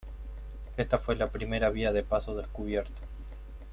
Esta fue la primera vía de paso descubierta.